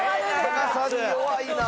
加賀さんに弱いな。